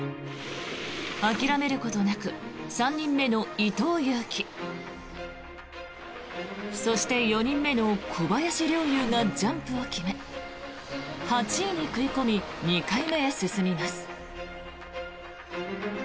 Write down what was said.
諦めることなく３人目の伊藤有希そして、４人目の小林陵侑がジャンプを決め８位に食い込み２回目へ進みます。